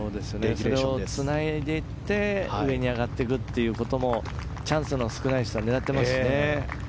つないでいって上に上がっていくこともチャンスの少ない人は狙っていますからね。